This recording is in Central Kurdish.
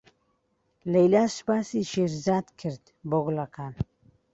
لەیلا سوپاسی شێرزاد کرد بۆ گوڵەکان.